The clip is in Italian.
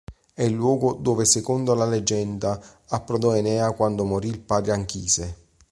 È il luogo dove secondo la leggenda approdò Enea quando morì il padre Anchise.